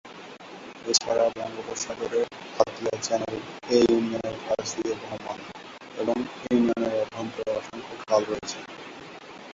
এছাড়া বঙ্গোপসাগরের হাতিয়া চ্যানেল এ ইউনিয়নের পাশ দিয়ে বহমান এবং ইউনিয়নের অভ্যন্তরে অসংখ্য খাল রয়েছে।